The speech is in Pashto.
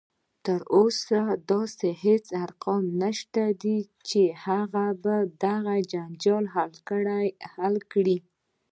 تر اوسه داسې هیڅ ارقام نشته دی چې هغه دې دغه جنجال حل کړي